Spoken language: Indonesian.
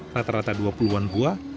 rata rata dua puluh an buah